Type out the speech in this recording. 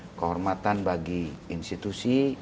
ini adalah kehormatan bagi institusi